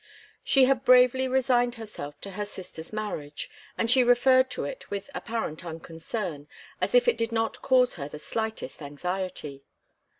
She had bravely resigned herself to her sister's marriage, and she referred to it with apparent unconcern, as if it did not cause her the slightest anxiety.